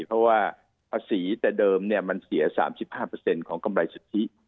เพราะว่าภาษีแต่เดิมมันเสีย๓๕ของกำไรสุทธิ